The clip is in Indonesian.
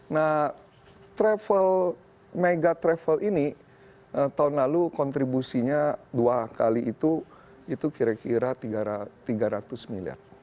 nah travel mega travel ini tahun lalu kontribusinya dua kali itu itu kira kira tiga ratus miliar